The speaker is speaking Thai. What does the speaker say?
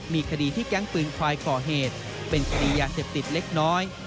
มีคดีที่แก๊งปืนควายก่อเหตุเป็นคดียาเสพติดเล็กน้อย